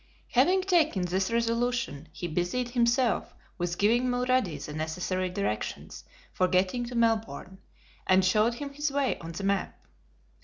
Having taken this resolution, he busied himself with giving Mulrady the necessary directions for getting to Melbourne, and showed him his way on the map.